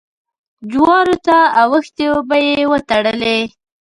جوارو ته اوښتې اوبه يې وتړلې.